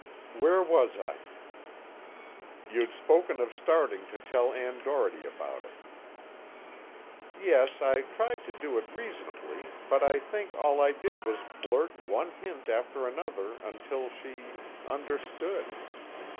_ "Where was I?" "You'd spoken of starting to tell Ann Doherty about it." "Yes. I tried to do it reasonably, but I think all I did was blurt one hint after another until she understood.